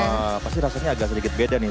oh pasti rasanya agak sedikit beda nih